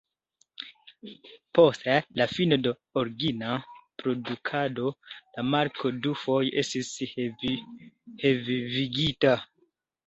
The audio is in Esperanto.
Post la fino de la origina produktado, la marko dufoje estis revivigita.